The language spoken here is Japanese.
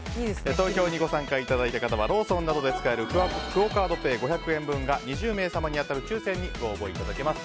投票にご参加いただいた方はローソンなどで使えるクオ・カードペイ５００円分が２０名様に当たる抽選にご応募いただけます。